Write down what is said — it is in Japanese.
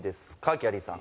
きゃりーさん